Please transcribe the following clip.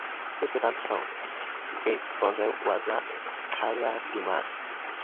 His second son, Philip Bonsal, was a career diplomat.